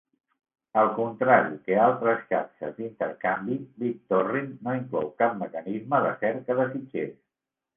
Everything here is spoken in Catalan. Al contrari que altres xarxes d'intercanvi, BitTorrent no inclou cap mecanisme de cerca de fitxers.